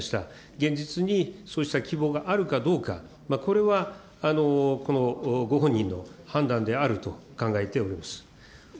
現実に、そうした希望があるかどうか、これはこのご本人の判断であると考えております。